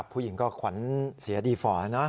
ผู้หญิงก็ขวัญเสียดีฟอร์นะ